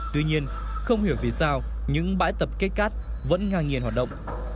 tuy nhiên không hiểu vì sao những bãi tập cây cát vẫn ngang nghiền hoạt động